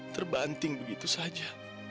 terbanting begitu saja